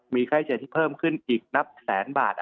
มีค่าใช้จ่ายที่เพิ่มขึ้นอีกนับแสนบาท